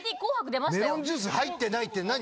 「メロンジュース入ってない」って何？